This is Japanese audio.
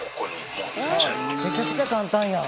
大西：めちゃくちゃ簡単やん。